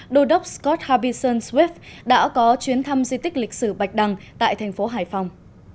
đô đốc scott harbison swift đã có chuyến thăm di tích lịch sử bạch đăng tại thành phố hải phòng